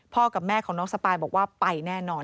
กับแม่ของน้องสปายบอกว่าไปแน่นอน